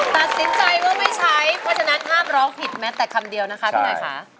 ตัดสินใจว่าไม่ใช้เพราะฉะนั้นห้ามร้องผิดแม้แต่คำเดียวนะคะพี่หน่อยค่ะ